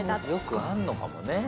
よくあるのかもね。